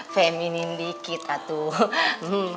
feminine dikit atuh